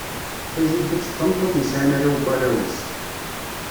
Tajidat d tameṭṭut yesɛan arraw n tarwa-s.